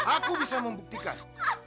aku bisa membuktikan